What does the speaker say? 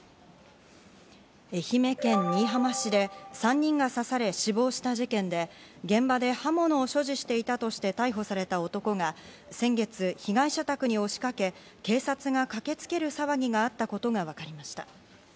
愛媛県新居浜市で３人が刺され死亡した事件で、現場で刃物を所持していたとして逮捕された男が先月、被害者宅に押しかけ警察が駆けつける騒ぎがあったことがわかりました。